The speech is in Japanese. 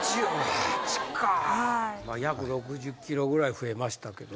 約６０ｋｇぐらい増えましたけど。